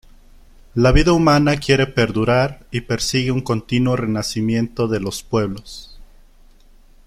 La vida humana quiere perdurar y persigue un continuo renacimiento de los pueblos.